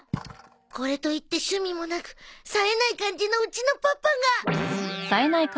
これといって趣味もなくさえない感じのうちのパパが